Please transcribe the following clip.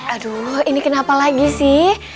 aduh ini kenapa lagi sih